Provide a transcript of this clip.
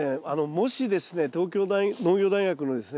もしですね東京農業大学のですね